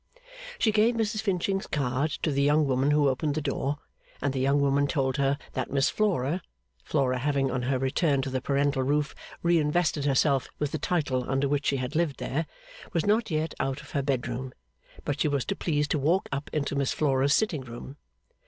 She gave Mrs Finching's card to the young woman who opened the door, and the young woman told her that 'Miss Flora' Flora having, on her return to the parental roof, reinvested herself with the title under which she had lived there was not yet out of her bedroom, but she was to please to walk up into Miss Flora's sitting room.